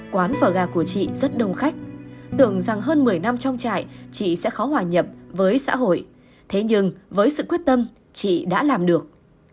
quán và gà của chị rất đông khách tưởng rằng hơn một mươi năm trong trại chị sẽ khó hòa nhập với xã hội thế nhưng với sự quyết tâm chị đã làm được